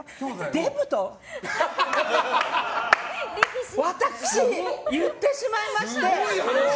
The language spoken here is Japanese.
デブと私言ってしまいまして。